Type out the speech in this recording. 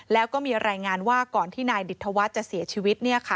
แล้วก็มีรายงานว่าก่อนที่นายดิตธวัฒน์จะเสียชีวิต